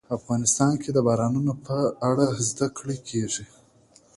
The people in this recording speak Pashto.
افغانستان کې د بارانونو په اړه زده کړه کېږي.